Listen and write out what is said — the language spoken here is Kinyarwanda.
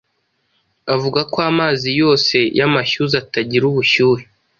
Avuga ko amazi yose y’amashyuza atagira ubushyuhe